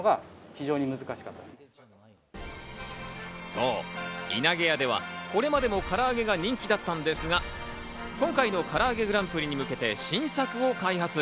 そう、いなげやではこれまでも唐揚げが人気だったんですが、今回のからあげグランプリに向けて新作を開発。